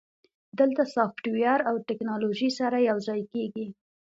دلته سافټویر او ټیکنالوژي سره یوځای کیږي.